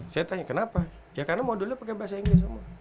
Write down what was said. saya tanya kenapa ya karena modulnya pakai bahasa inggris semua